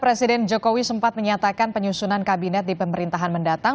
presiden jokowi sempat menyatakan penyusunan kabinet di pemerintahan mendatang